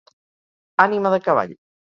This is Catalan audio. Ànima de cavall.